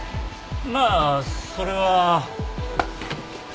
まあそれは。